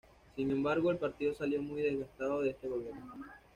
Sin embargo, el partido salió muy desgastado de este gobierno.